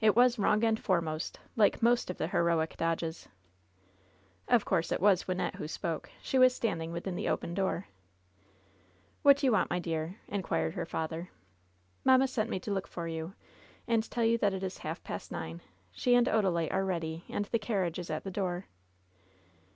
It was wrong end foremost, like most of the heroic dodges/' Of course it was Wynnette who spoke. She was standing within the open door. * Whit do you want, my dear V^ inquired her father. "Mamma sent me to look for you, and tell you that it is half past nine. She and Odalite are ready, and the carriage is at the door."